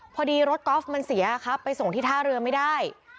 พอดีรถกอล์ฟมันเสียครับไปส่งที่ท่าเรือไม่ได้